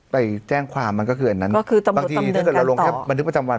ไปแจ้งความมันก็คืออันนั้นก็คือบางทีถ้าเกิดเราลงแค่บันทึกประจำวัน